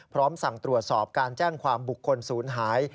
พร้อมสั่งตรวจสอบการแจ้งความบุคคลศูนย์หาย